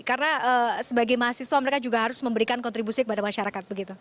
karena sebagai mahasiswa mereka juga harus memberikan kontribusi kepada masyarakat begitu